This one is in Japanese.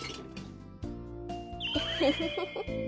ウフフフフ。